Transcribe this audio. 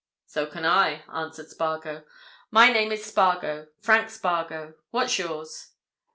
"So can I," answered Spargo. "My name is Spargo—Frank Spargo. What's yours?"